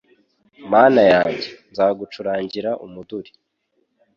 Mana yanjye nzagucurangira umuduri